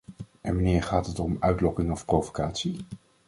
En wanneer gaat het om uitlokking of provocatie?